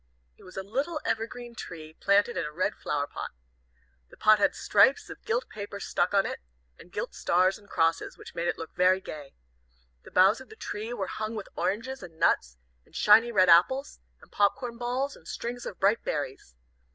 It was a little evergreen tree planted in a red flower pot. The pot had stripes of gilt paper stuck on it, and gilt stars and crosses, which made it look very gay. The boughs of the tree were hung with oranges, and nuts, and shiny red apples, and pop corn balls, and strings of bright berries.